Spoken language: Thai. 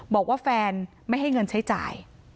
บอกว่าแฟนไม่ให้เงินใช้จ่าย